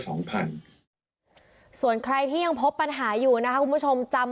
ส่วนใครที่ยังพบปัญหาอยู่นะคะคุณผู้ชมจำ